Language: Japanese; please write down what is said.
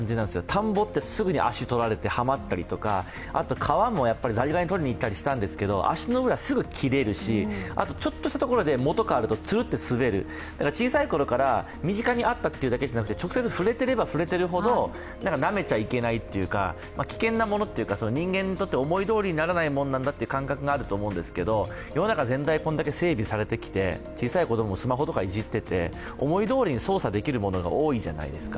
田んぼって、すぐ足をとられてはまったりとかあと川もザリガニとりに行ったりしたんですけど足の裏、すぐ切れるし、あとちょっとしたところでツルッと滑る、小さいときから身近にあっただけじゃなくて直接、触れてれば触れてるほどなめちゃいけないというか、危険なものというか、人間にとって思いどおりにならないものだという感覚があると思うんですけど世の中全体、これだけ整備されてきて、小さい子供のスマホとかいじっていて、思いどおりに操作できるものが多いじゃないですか。